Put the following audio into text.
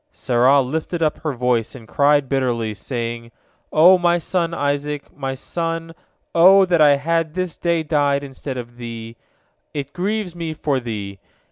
Sarah lifted up her voice, and cried bitterly, saying: "O my son, Isaac, my son, O that I had this day died instead of thee I It grieves me for thee!